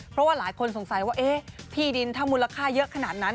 เพราะว่าหลายคนสงสัยว่าที่ดินถ้ามูลค่าเยอะขนาดนั้น